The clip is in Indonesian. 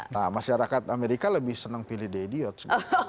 nah masyarakat amerika lebih senang pilih the idiots